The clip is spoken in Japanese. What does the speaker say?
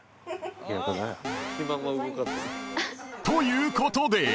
［ということで］